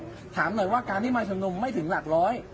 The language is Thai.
ผมถามหน่อยว่าการที่มาชุมนุมไม่ถึงหลักร้อย